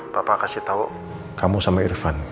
papa kasih tau kamu sama irfan